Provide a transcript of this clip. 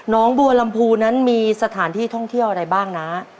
น้องบัวลำพูนั้นมีสถานที่ท่องเที่ยวอะไรบ้างนะ